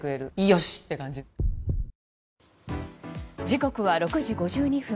時刻は６時５２分。